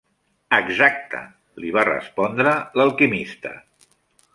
"Exacte", li va respondre l'Alquimista.